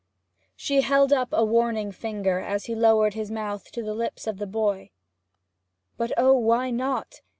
She held up a warning finger as he lowered his mouth to the lips of the boy. 'But oh, why not?'